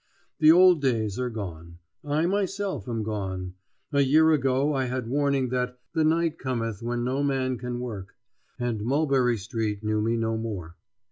The old days are gone. I myself am gone. A year ago I had warning that "the night cometh when no man can work," and Mulberry Street knew me no more.